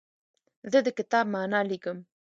زه د کتاب معنی لیکم.